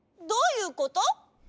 どういうこと？